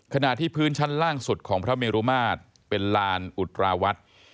ขณะที่พื้นชั้นล่างสุดของพระเมรุมาตรเป็นลานอุตราวัด